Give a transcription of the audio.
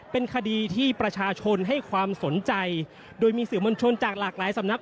เป็นคดีที่ประชาชนให้ความสนใจโดยมีสื่อมวลชนจากหลากหลายสำนัก